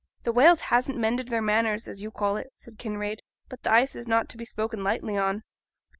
'Th' whales hasn't mended their manners, as you call it,' said Kinraid; 'but th' ice is not to be spoken lightly on.